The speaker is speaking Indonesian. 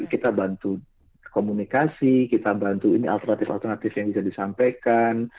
kita bantu komunikasi kita bantu ini alternatif alternatif yang bisa disampaikan